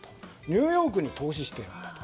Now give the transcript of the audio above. ニューヨークに投資している。